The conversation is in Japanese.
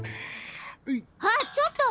あっちょっと！